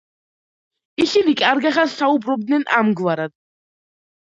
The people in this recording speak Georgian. ისინი კარგა ხანს საუბრობდნენ ამგვარად.